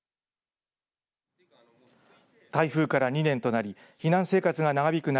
台風から２年となり避難生活が長引く中